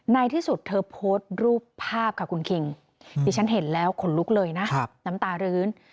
ในที่สุดเธอโพสต์รูปภาพค่ะคุณคิงดิฉันเห็นแล้วขนลุกเลยนะน้ำตารื้น